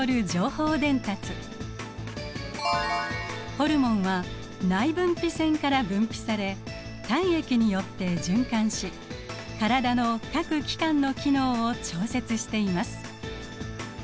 ホルモンは内分泌腺から分泌され体液によって循環し体の各器官の機能を調節しています。